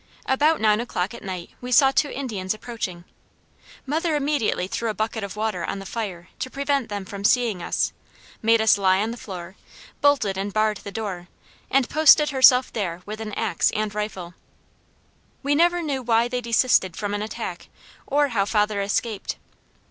About nine o'clock at night we saw two Indians approaching. Mother immediately threw a bucket of water on the fire to prevent them from seeing us, made us lie on the floor, bolted and barred the door, and posted herself there with an axe and rifle: We never knew why they desisted from an attack or how father escaped.